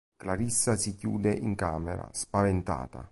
Clarissa si chiude in camera, spaventata.